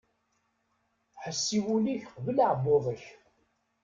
Ḥess i wul-ik qbel aεebbuḍ-ik.